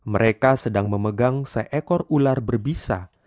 mereka sedang memegang seekor ular berbisa